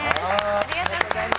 ありがとうございます。